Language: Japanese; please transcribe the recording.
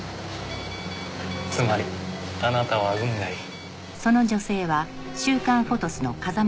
つまりあなたは運がいい。